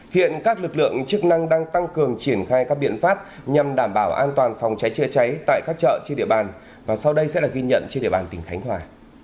hiện các lực lượng chức năng đang tăng cường triển khai các biện pháp nhằm đảm bảo an toàn phòng cháy chữa cháy tại các chợ trên địa bàn và sau đây sẽ là ghi nhận trên địa bàn tỉnh khánh hòa